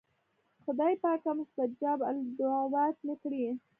خدایه پاکه مستجاب الدعوات مې کړې.